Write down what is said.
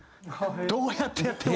どうやってやっても。